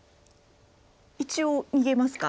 一応逃げますか。